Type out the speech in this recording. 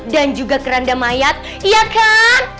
dan juga keranda mayat iya kan